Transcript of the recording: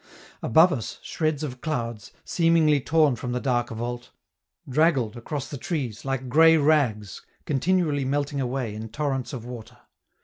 Above us shreds of clouds, seemingly torn from the dark vault, draggled across the trees, like gray rags continually melting away in torrents of water.